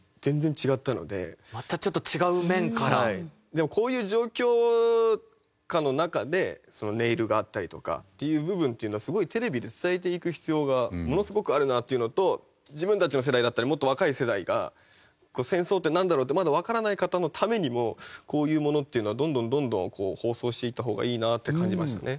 でもこういう状況下の中でネイルがあったりとかっていう部分っていうのはテレビで伝えていく必要がものすごくあるなっていうのと自分たちの世代だったりもっと若い世代が戦争ってなんだろうってまだわからない方のためにもこういうものっていうのはどんどんどんどん放送していった方がいいなって感じましたね。